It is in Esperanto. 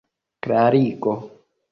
klarigo